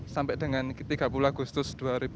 sampai dengan tiga puluh agustus dua ribu dua puluh